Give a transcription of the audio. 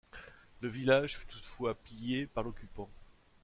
Le village fut toutefois pillé par l'occupant.